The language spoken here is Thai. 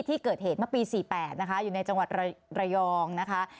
ที่เกิดเหตุเมื่อปี๔๘นะคะอยู่ในจังหวัดระยองนะคะ